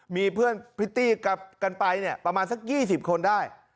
มีเพื่อนพริตตี้กันไปเนี่ยประมาณสัก๒๐คนได้